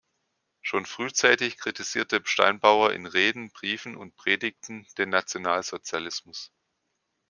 Schon frühzeitig kritisierte Steinbauer in Reden, Briefen und Predigten den Nationalsozialismus.